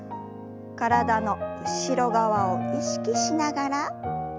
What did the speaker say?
体の後ろ側を意識しながら戻して。